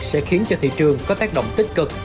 sẽ khiến cho thị trường có tác động tích cực